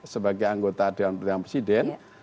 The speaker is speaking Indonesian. sebagai anggota dewan perintah presiden